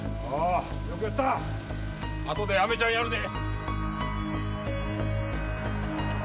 あとでアメちゃんやるで！